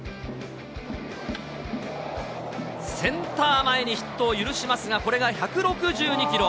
センター前にヒットを許しますが、これが１６２キロ。